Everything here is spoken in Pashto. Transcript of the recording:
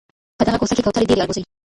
په دغه کوڅه کي کوتري ډېري البوځي.